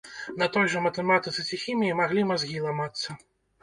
На той жа матэматыцы ці хіміі маглі мазгі ламацца.